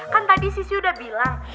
kan tadi sisi udah bilang